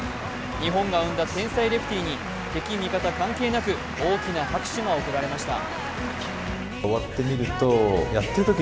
日本が生んだ天才レフティーに敵味方関係なく大きな拍手が贈られました。